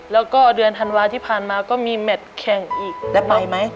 แล้วก็เดือนธันวาที่ผ่านมาก็มีแมทแข่งอีกแล้วไปไหม